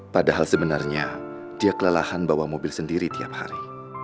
padahal sebenarnya dia kelelahan bawa mobil sendiri tiap hari